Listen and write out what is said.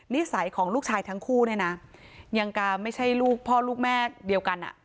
นิสัยของลูกชายทั้งคู่เนี่ยนะยังจะไม่ใช่ลูกพ่อลูกแม่เดียวกัน